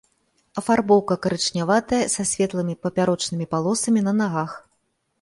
Афарбоўка карычняватая са светлымі папярочнымі палосамі на нагах.